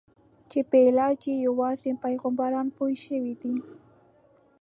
چې په علاج یې یوازې پیغمبران پوه شوي دي.